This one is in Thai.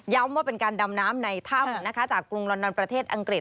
ว่าเป็นการดำน้ำในถ้ำนะคะจากกรุงลอนนอนประเทศอังกฤษ